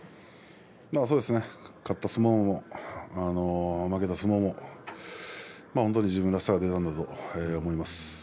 勝った相撲も負けた相撲も本当に自分らしさが出たなと思います。